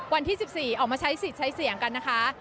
วันที่๑๔ออกมาใช้สิทธิ์ใช้เสียงกันนะคะ